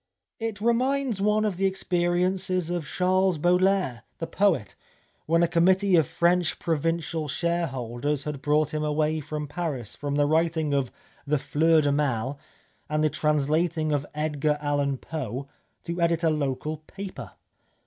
It reminds one of the experiences of Charles Baudelaire, the poet, when a committee of French provincial shareholders had brought him away from Paris, from the writing of the Fleurs du Mai and the translating of Edgar Allan Poe, to edit a local paper.